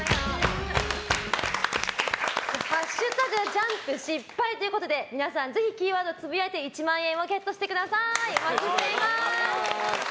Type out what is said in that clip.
「＃ジャンプ失敗」ということで皆さんぜひキーワードをつぶやいて１万円をゲットしてください。